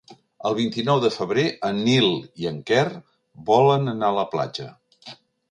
El vint-i-nou de febrer en Nil i en Quer volen anar a la platja.